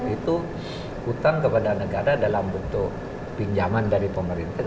itu hutang kepada negara dalam bentuk pinjaman dari pemerintah